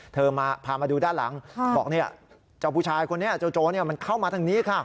พามาดูด้านหลังบอกเจ้าผู้ชายคนนี้เจ้าโจรมันเข้ามาทางนี้ค่ะ